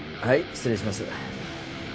失礼します。